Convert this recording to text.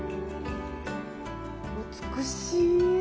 美しい！